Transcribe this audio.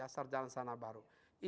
sarjana sana baru